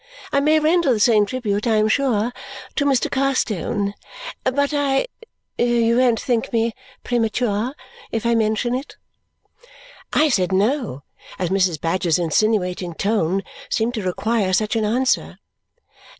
I may render the same tribute, I am sure, to Mr. Carstone. But I you won't think me premature if I mention it?" I said no, as Mrs. Badger's insinuating tone seemed to require such an answer.